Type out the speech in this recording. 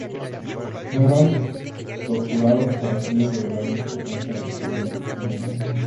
Fueron torturados para hacerles revelar la importancia del cordón anudado.